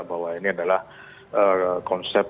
bahwa ini adalah konsep